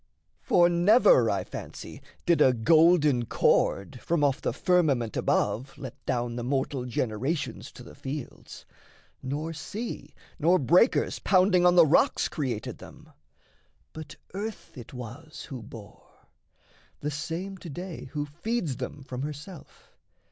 For never, I fancy, did a golden cord From off the firmament above let down The mortal generations to the fields; Nor sea, nor breakers pounding on the rocks Created them; but earth it was who bore The same to day who feeds them from herself.